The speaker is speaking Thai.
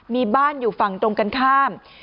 มีบ้านอยู่ฝั่งตรงกันข้าม